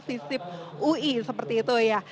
sisip ui seperti itu ya